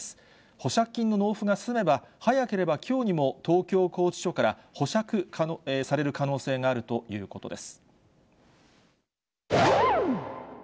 保釈金の納付が済めば、早ければきょうにも、東京拘置所から保釈される可能性があるということです。